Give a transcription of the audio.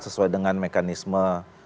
sesuai dengan mekanisme